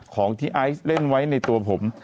ของที่ไอซ์เล่นไว้ในตัวผม